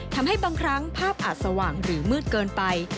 ทำให้บางครั้งภาพอาจสว่างหรือมืดเกินไป